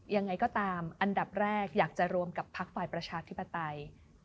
ยังไงก็ตามอันดับแรกอยากจะรวมกับพักฝ่ายประชาธิปไตย